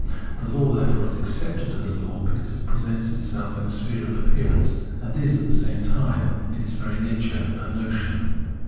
The law, therefore, is accepted as a law because it presents itself in the sphere of appearance and is, at the same time, in its very nature a notion.